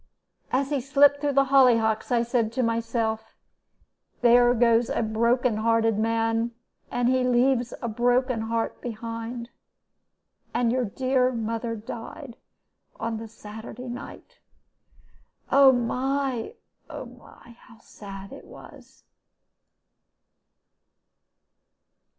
As he slipped through the hollyhocks I said to myself, 'There goes a broken hearted man, and he leaves a broken heart behind.' And your dear mother died on the Saturday night. Oh my! oh my! how sad it was!"